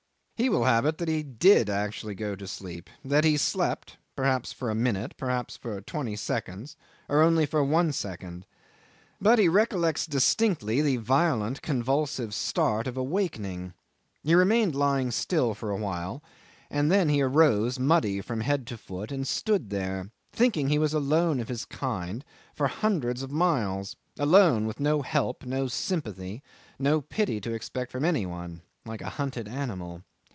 He will have it that he did actually go to sleep; that he slept perhaps for a minute, perhaps for twenty seconds, or only for one second, but he recollects distinctly the violent convulsive start of awakening. He remained lying still for a while, and then he arose muddy from head to foot and stood there, thinking he was alone of his kind for hundreds of miles, alone, with no help, no sympathy, no pity to expect from any one, like a hunted animal.